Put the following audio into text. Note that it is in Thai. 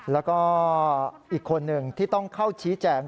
แล้วก็อีกคนหนึ่งที่ต้องเข้าชี้แจง